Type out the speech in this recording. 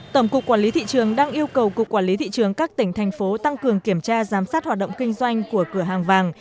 tổng cục quản lý thị trường đang yêu cầu cục quản lý thị trường các tỉnh thành phố tăng cường kiểm tra giám sát hoạt động kinh doanh của cửa hàng vàng